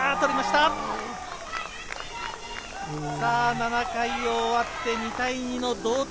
７回終わって２対２の同点。